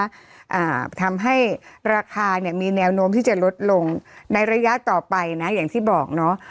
อ่าทำให้ราคาเนี้ยมีแนวโน้มที่จะลดลงในระยะต่อไปนะอย่างที่บอกเนาะ